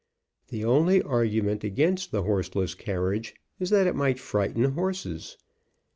The only argument against the horseless carriage is that it might frighten horses.